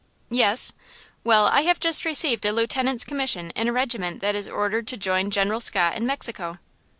"Yes." "Well, I have just received a lieutenant's commission in a regiment that is ordered to join General Scott in Mexico."